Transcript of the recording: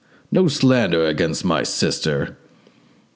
no slander against my sister!"